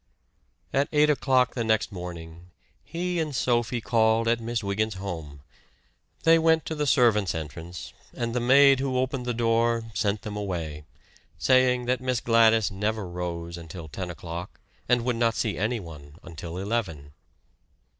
At eight o'clock the next morning, he and Sophie called at Miss Wygant's home. They went to the servants' entrance, and the maid who opened the door sent them away, saying that Miss Gladys never rose until ten o'clock and would not see anyone until eleven.